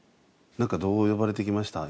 どう呼ばれてきました？